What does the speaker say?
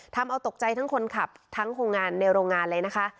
ทำเอาตกใจทั้งคนขับทั้งโรงงานในโรงงานเลยนะคะ